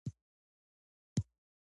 کورني ملاتړ د میل په کمولو کې مرسته کوي.